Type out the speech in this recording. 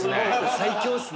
最強っすね